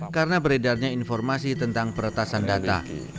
karena beredarnya informasi tentang peretasan data